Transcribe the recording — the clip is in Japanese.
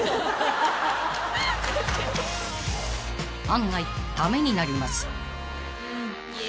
［案外ためになります］